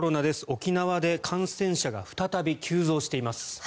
沖縄で感染者が再び急増しています。